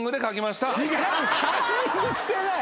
カンニングしてない！